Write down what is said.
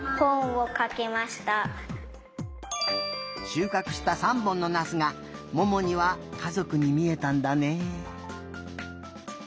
しゅうかくした３本のナスがももにはかぞくにみえたんだね。